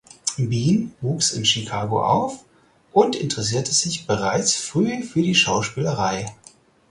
Bean wuchs in Chicago auf und interessierte sich bereits früh für die Schauspielerei.